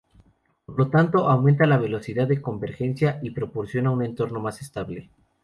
Por lo tanto, aumenta la velocidad de convergencia y proporciona un entorno más estable.